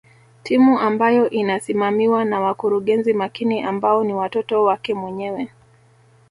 Timu ambayo inasimamiwa na wakurugenzi makini ambao ni watoto wake mwenyewe